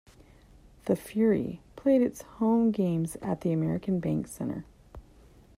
The Fury played its home games at the American Bank Center.